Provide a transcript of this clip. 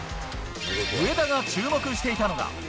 上田が注目していたのが。